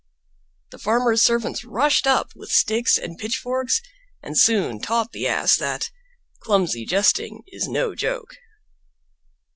The Farmer's servants rushed up with sticks and pitchforks and soon taught the Ass that "CLUMSY JESTING IS NO JOKE."